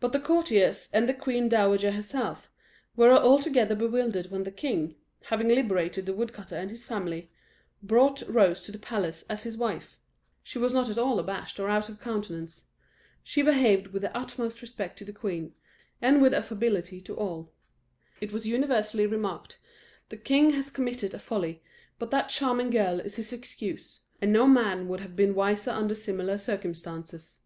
But the courtiers, and the queen dowager herself, were altogether bewildered when the king, having liberated the woodcutter and his family, brought Rose to the palace as his wife. She was not at all abashed or out of countenance; she behaved with the utmost respect to the queen, and with affability to all. It was universally remarked: "The king has committed a folly, but that charming girl is his excuse, and no man would have been wiser under similar circumstances."